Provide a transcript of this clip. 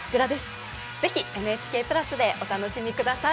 ぜひ「ＮＨＫプラス」でお楽しみください。